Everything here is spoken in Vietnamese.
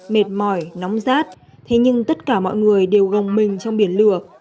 mệt mỏi nóng rát thế nhưng tất cả mọi người đều gồng mình trong biển lửa